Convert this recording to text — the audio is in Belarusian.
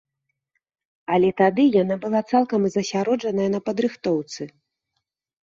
Але тады яна была цалкам засяроджаная на падрыхтоўцы.